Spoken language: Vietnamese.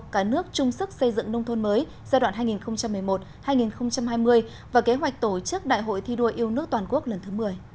cả nước chung sức xây dựng nông thôn mới giai đoạn hai nghìn một mươi một hai nghìn hai mươi và kế hoạch tổ chức đại hội thi đua yêu nước toàn quốc lần thứ một mươi